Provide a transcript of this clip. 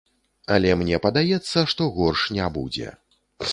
Але мне падаецца, што горш не будзе.